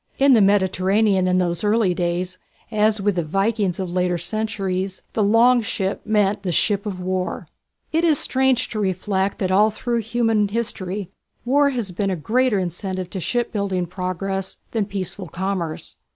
In the Mediterranean in those early days, as with the Vikings of later centuries, the "Long Ship" meant the ship of war. It is strange to reflect that all through human history war has been a greater incentive to shipbuilding progress than peaceful commerce.